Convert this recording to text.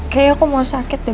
kayaknya aku mau sakit deh